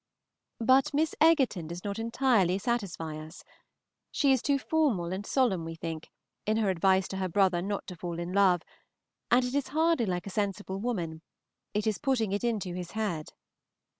But Miss Egerton does not entirely satisfy us. She is too formal and solemn, we think, in her advice to her brother not to fall in love; and it is hardly like a sensible woman, it is putting it into his head.